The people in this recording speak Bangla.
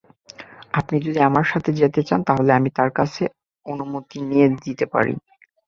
আপনি যদি আমার সাথে যেতে চান তাহলে আমি তার কাছ অনুমতি নিয়ে দিতে পারি।